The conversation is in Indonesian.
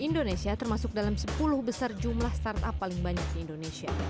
indonesia termasuk dalam sepuluh besar jumlah startup paling banyak di indonesia